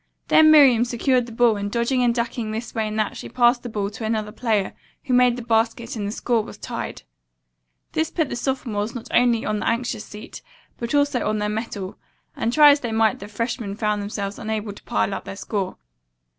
Then Miriam secured the ball and dodging and ducking this way and that she passed the ball to another player who made the basket and the score was tied. This put the sophomores not only on the anxious seat, but also on their mettle, and try as they might the freshmen found themselves unable to pile up their score.